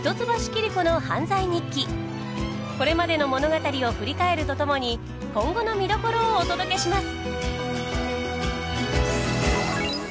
これまでの物語を振り返るとともに今後の見どころをお届けします！